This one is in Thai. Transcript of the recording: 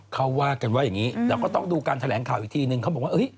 เขาว่ากันว่าอย่างนี้เราก็ต้องดูการแถลงข่าวอีกทีนึงเขาบอกว่า